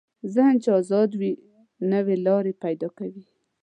ذهن چې ازاد وي، نوې لارې پیدا کوي.